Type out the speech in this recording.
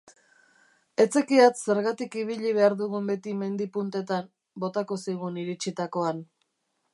Ez zekiat zergatik ibili behar dugun beti mendi puntetan, botako zigun iritsitakoan.